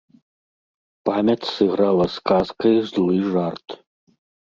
Памяць сыграла з казкай злы жарт.